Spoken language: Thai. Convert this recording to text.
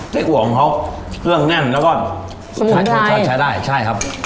เม็ดหัวของเขาเครื่องแน่นแล้วก็ใช้ได้ใช้ได้ใช่ครับ